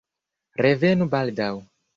Revenu baldaŭ!